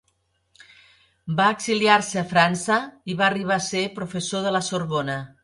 Va exiliar-se a França i va arribar a ser professor de la Sorbona.